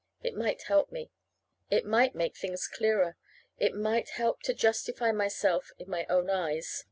It might help me. It might make things clearer. It might help to justify myself in my own eyes.